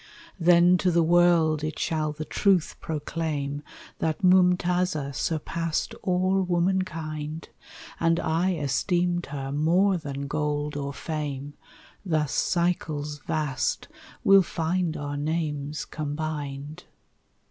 "Then to the world it shall the truth proclaim That Moomtaza surpassed all woman kind, And I esteemed her more than gold or fame: Thus cycles vast will find our names combined."